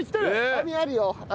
網あるよ網。